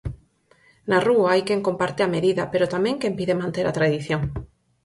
Na rúa, hai quen comparte a medida, pero tamén quen pide manter a tradición.